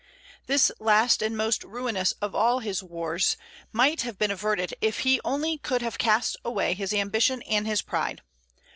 This last and most ruinous of all his wars might have been averted if he only could have cast away his ambition and his pride.